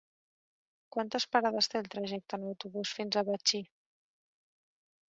Quantes parades té el trajecte en autobús fins a Betxí?